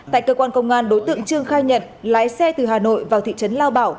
tại cơ quan công an đối tượng trương khai nhận lái xe từ hà nội vào thị trấn lao bảo